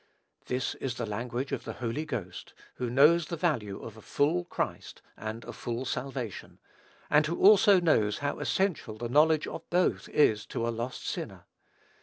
This is the language of the Holy Ghost, who knows the value of a full Christ and a full salvation; and who also knows how essential the knowledge of both is to a lost sinner.